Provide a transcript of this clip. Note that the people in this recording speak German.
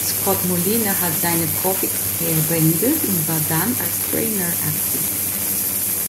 Scott Molina hat seine Profi-Karriere beendet und war dann als Trainer aktiv.